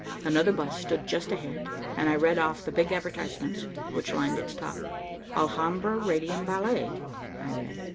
Another bus stood just ahead, and I read off the big advertisements which lined its top. "Alhambra Radium Ballet," I read.